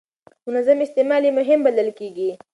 منظم استعمال یې مهم بلل کېږي.